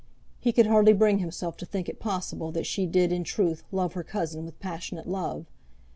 He could hardly bring himself to think it possible that she did, in truth, love her cousin with passionate love.